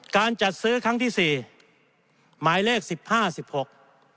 การจัดซื้อครั้งที่สี่หมายเลขสิบห้าสิบหก